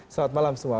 selamat malam semua